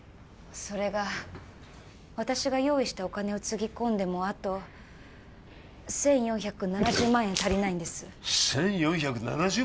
それが私が用意したお金をつぎ込んでもあと１４７０万円足りないんです１４７０万！？